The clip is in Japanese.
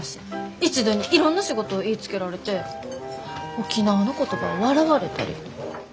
一度にいろんな仕事を言いつけられて沖縄の言葉を笑われたり。